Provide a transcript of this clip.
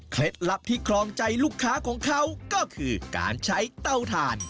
ลับที่ครองใจลูกค้าของเขาก็คือการใช้เตาถ่าน